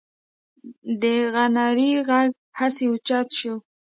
د غنړې غږ هسې اوچت شو.